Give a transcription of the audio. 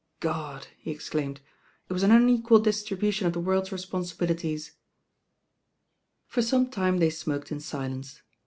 God I" he exclaimed, "it was an unequal distribution of the world's responsibU ities. For.some time they smoked in snence.